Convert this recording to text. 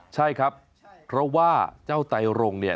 ใช่ครับเพราะว่าเจ้าไตรรงเนี่ย